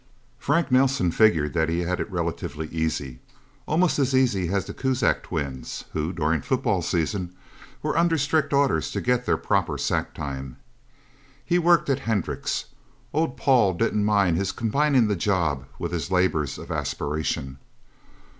Frank Nelsen figured that he had it relatively easy almost as easy as the Kuzak twins, who, during football season, were under strict orders to get their proper sack time. He worked at Hendricks' old Paul didn't mind his combining the job with his labors of aspiration.